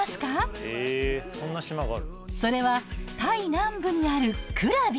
それはタイ南部にあるクラビ！